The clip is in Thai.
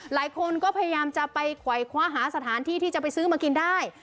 หลายคนก็พยายามจะไปไขวคว้าหาสถานที่ที่จะไปซื้อมากินได้